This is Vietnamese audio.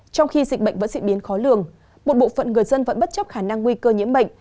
trong khi dịch bệnh vẫn diễn biến khó lường một bộ phận người dân vẫn bất chấp khả năng nguy cơ nhiễm bệnh